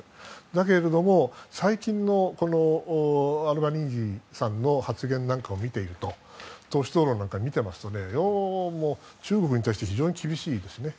だけれども、最近のアルバニージーさんの発言なんかを見ていると党首討論なんか見ていますとどうも中国に対して非常に厳しいですね。